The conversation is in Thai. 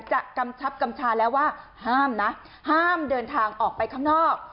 กำชับกำชาแล้วว่าห้ามนะห้ามเดินทางออกไปข้างนอก